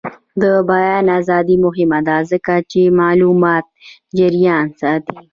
د بیان ازادي مهمه ده ځکه چې د معلوماتو جریان ساتي.